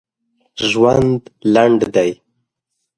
ژوند لنډ دی